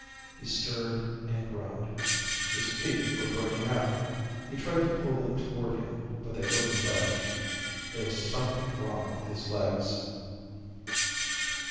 He stirred, and groaned. His feet were burning up! He tried to pull them toward him, but they wouldn't budge. There was something wrong with his legs.